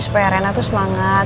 supaya rena tuh semangat